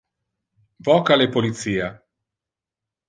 Voca le policia.